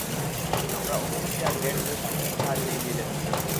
আমরা অনুভূতি আর ডেড রেকনিং এর সাহায্যে এগিয়ে যাচ্ছিলাম।